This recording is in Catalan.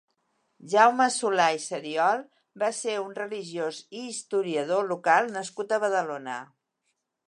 Jaume Solà i Seriol va ser un religiós i historiador local nascut a Badalona.